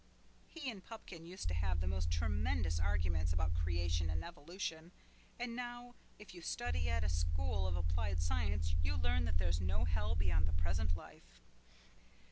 He and Pupkin used to have the most tremendous arguments about creation and evolution, and how if you study at a school of applied science you learn that there's no hell beyond the present life.